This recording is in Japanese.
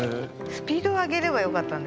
スピードを上げればよかったんですね。